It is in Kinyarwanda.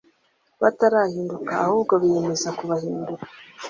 batarahinduka Ahubwo biyemeza kubahindura